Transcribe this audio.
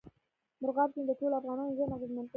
مورغاب سیند د ټولو افغانانو ژوند اغېزمن کوي.